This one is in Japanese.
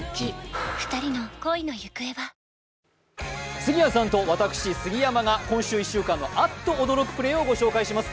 杉谷さんと私、杉山が今週１週間のあっと驚くプレーをご紹介します。